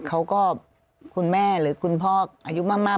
คุณแม่หรือคุณพ่ออายุมาก